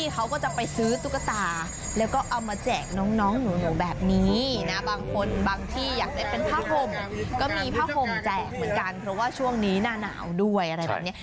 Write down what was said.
ก็มีผ้าห่มแจกเหมือนกันเพราะว่าช่วงนี้หน้าหนาวด้วยอะไรแบบนี้